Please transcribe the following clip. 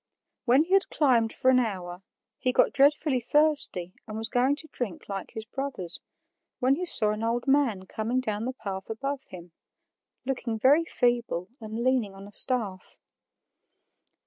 When he had climbed for an hour, he got dreadfully thirsty and was going to drink like his brothers, when he saw an old man coming down the path above him, looking very feeble and leaning on a staff.